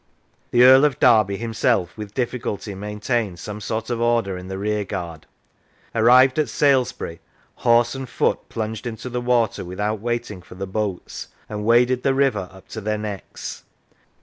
The Earl of Derby himself with difficulty maintained some sort of order in the rearguard. Arrived at Salesbury, horse and foot plunged into the water without waiting for the boats, and waded the river up to their necks.